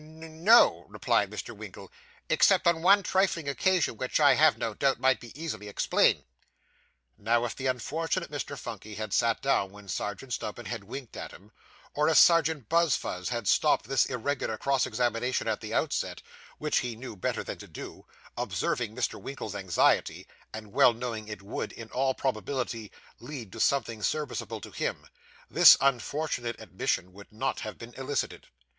'N n no,' replied Mr. Winkle, 'except on one trifling occasion, which, I have no doubt, might be easily explained.' Now, if the unfortunate Mr. Phunky had sat down when Serjeant Snubbin had winked at him, or if Serjeant Buzfuz had stopped this irregular cross examination at the outset (which he knew better than to do; observing Mr. Winkle's anxiety, and well knowing it would, in all probability, lead to something serviceable to him), this unfortunate admission would not have been elicited.